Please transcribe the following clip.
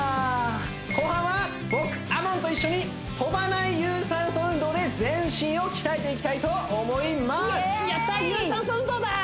後半は僕ＡＭＯＮと一緒に跳ばない有酸素運動で全身を鍛えていきたいと思いますやったー！